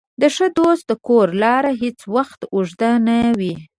د ښه دوست د کور لاره هېڅ وخت اوږده نه وي.